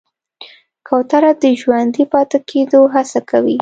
کوتره د ژوندي پاتې کېدو هڅه کوي.